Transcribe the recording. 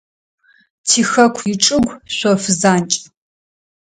Тихэку ичӏыгу – шъоф занкӏ.